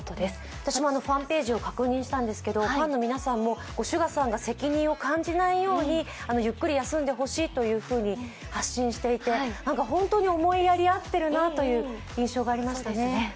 私もファンページを確認したんですけどファンの皆さんもＳＵＧＡさんが責任を感じないようにゆっくり休んでほしいというふうに発信していて本当に思いやりあっているなという印象がありましたね。